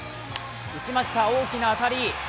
打ちました、大きな当たり。